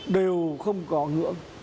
đều không có ngưỡng